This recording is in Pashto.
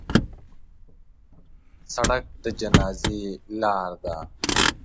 سړک د جنازې لار ده.